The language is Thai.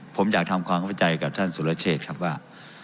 ผมอยากทำความเข้าใจกับท่านสุรเชษครับว่า